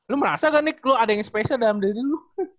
lu merasa gak nik lu ada yang special dalam diri lu